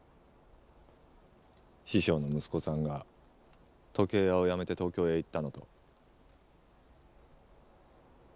師匠の息子さんが時計屋を辞めて東京へ行ったのと。